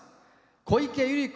小池百合子